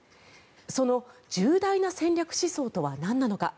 その重大な戦略思想とはなんなのか。